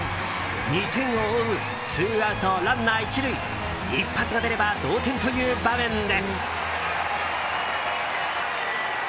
２点を追うツーアウト、ランナー１塁一発が出れば同点という場面で。